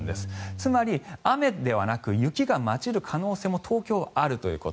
つまり雨ではなく雪が交じる可能性も東京、あるということ。